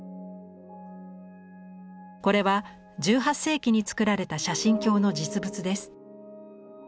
これは１８世紀に作られた写真鏡の実物です。